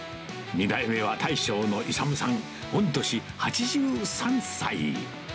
２代目は大将の勇さん、御年８３歳。